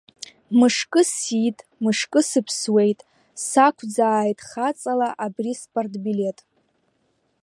Мышкы сиит, мышкы сыԥсуеит, сақәӡааит хаҵала абри спартбилеҭ!